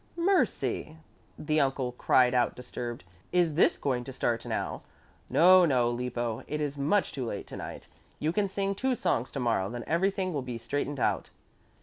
"Mercy!" the uncle cried out disturbed. "Is this going to start now? No, no, Lippo, it is much too late to night. You can sing two songs to morrow, then everything will be straightened out."